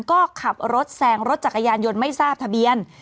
ก็ขับรถแซงรถจักรยานยนต์ไม่ทราบทะเบียน